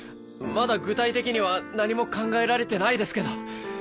まだ具体的には何も考えられてないですけど。